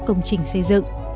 công trình xây dựng